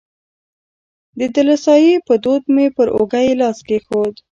د دلاسایي په دود مې پر اوږه یې لاس کېښود.